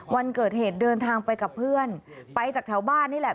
วันเกิดเหตุเดินทางไปกับเพื่อนไปจากแถวบ้านนี่แหละ